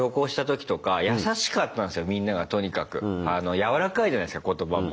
やわらかいじゃないですか言葉も。